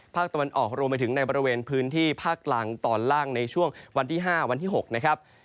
ภาคตะวันออกรวมไปถึงในบริเวณพื้นที่ภาคกลางตอนล่างในช่วงวันที่๕วันที่๖นะครับ